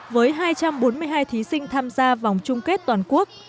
với hai trăm bốn mươi hai thí sinh tham gia vòng chung kết toàn quốc